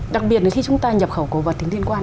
đặc biệt là khi chúng ta nhập khẩu cổ vật thì liên quan